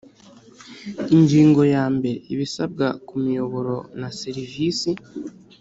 Ingingo ya mbere Ibisabwa ku miyoboro na serivisi